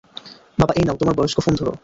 বাবা, এই নাও, তোমার বয়স্ক ফোন ধরো।